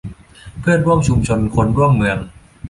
เพื่อนร่วมชุมชน คนร่วมเมือง